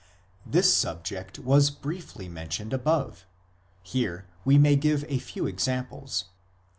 This subject was briefly mentioned above (pp. 118ff.) ; here we may give a few examples.